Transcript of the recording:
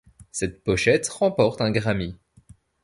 Cette pochette remporte un Grammy.